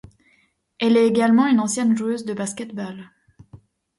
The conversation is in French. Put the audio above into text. Elle est également une ancienne joueuse de basket-ball.